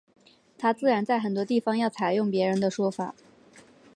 他自然在很多地方要采用别人的说法。